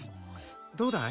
「どうだい？」